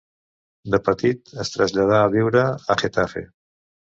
De petit es traslladà a viure a Getafe.